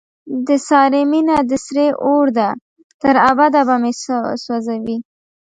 د سارې مینه د سرې اورده، تر ابده به مې سو ځوي.